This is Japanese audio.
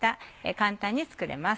簡単に作れます。